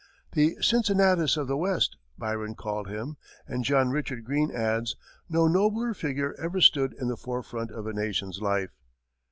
"The Cincinnatus of the West," Byron called him; and John Richard Green adds, "No nobler figure ever stood in the forefront of a nation's life."